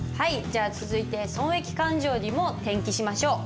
じゃあ続いて損益勘定にも転記しましょう。